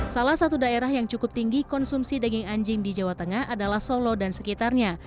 salah satu daerah yang cukup tinggi konsumsi daging anjing di jawa tengah adalah solo dan sekitarnya